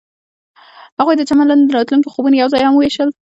هغوی د چمن لاندې د راتلونکي خوبونه یوځای هم وویشل.